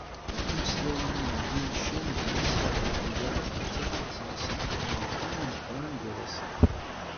Timeslayin yewwin ccan d yiseɣ d tiyaḍ, nettat ur tt-id-iṣṣaḥ ara umkan ameqqran gar-asent.